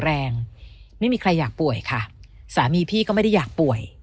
แรงไม่มีใครอยากป่วยค่ะสามีพี่ก็ไม่ได้อยากป่วย